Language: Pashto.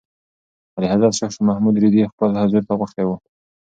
اعلیحضرت شاه محمود رېدی خپل حضور ته غوښتی و.